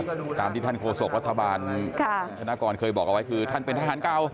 ก็ตามที่ท่านโครโศกวัฒนาบาลคือท่านเป็นทหารเก่า